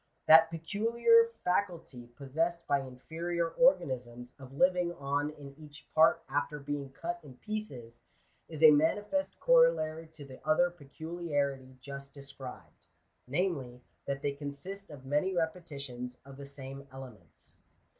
That peculiar faculty possessed by inferior organisms of living on in each part after being cut in pieces, is a manifest corollary to the other peculiarity just described ; namely, that they consist of many repetitions of the same elements.